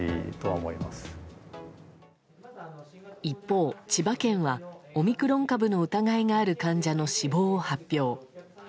一方、千葉県はオミクロン株の疑いがある患者の死亡を発表。